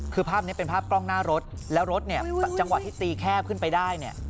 คือภาพนี้เป็นภาพกล้องหน้ารถแล้วรถเนี่ยจังหวะที่ตีแคบขึ้นไปได้เนี่ย